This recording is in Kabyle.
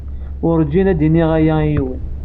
Werǧin ad iniɣ aya i yiwen.